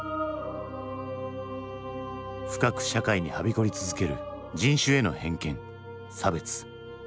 深く社会にはびこり続ける人種への偏見差別。